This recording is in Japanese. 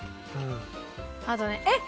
あとねえっ！